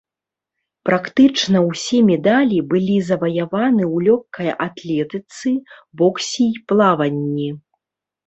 Практычна ўсе медалі былі заваяваны ў лёгкай атлетыцы, боксе і плаванні.